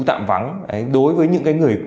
tạm vắng đối với những người